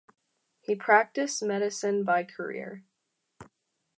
He practiced medicine by career.